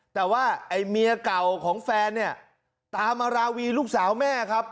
แต่ว่าไอ้เมียเก่าของแฟนเนี่ยตามมาราวีลูกสาวแม่ครับ